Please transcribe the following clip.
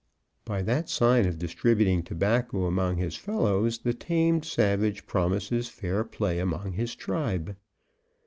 By that sign of distributing tobacco among his fellows, the tamed savage promises fair play among his tribe.